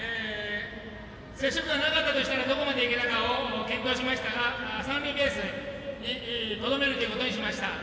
接触がなかったとしたらどこまでいけたか検討しましたが三塁ベースにとどめるということにしました。